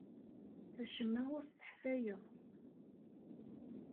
Acemma ur t-sseḥfayeɣ.